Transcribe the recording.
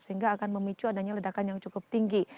sehingga akan memicu adanya ledakan yang cukup tinggi